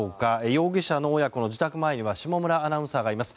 容疑者の親子の自宅前には下村アナウンサーがいます。